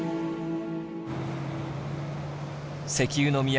「石油の都」